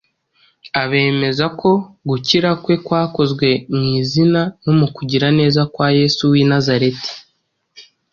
Abemeza ko gukira kwe kwakozwe mu Izina no mu kugira neza kwa Yesu w’i Nazareti